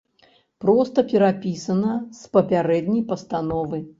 Проста перапісана з папярэдняй пастановы.